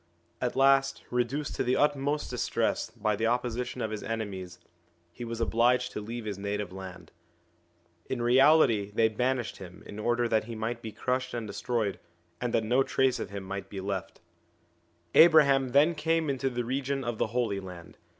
At last, reduced to the utmost distress by the opposition of his enemies, he was obliged to leave his native land. In reality they banished him in order that he might be crushed and destroyed, and that no trace of him might be left. 1 Mesopotamia, 14 ON THE INFLUENCE OF THE PROPHETS 15 Abraham then came into the region of the Holy Land.